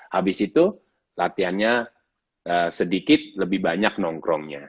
habis itu latihannya sedikit lebih banyak nongkrongnya